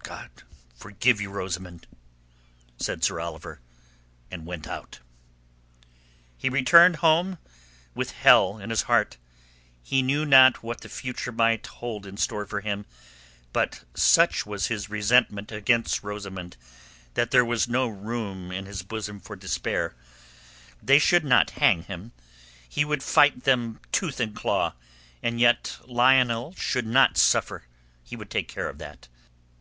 "God forgive you, Rosamund!" said Sir Oliver, and went out. He returned home with hell in his heart. He knew not what the future might hold in store for him; but such was his resentment against Rosamund that there was no room in his bosom for despair. They should not hang him. He would fight them tooth and claw, and yet Lionel should not suffer. He would take care of that.